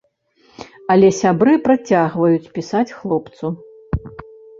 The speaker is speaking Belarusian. Але сябры працягваюць пісаць хлопцу.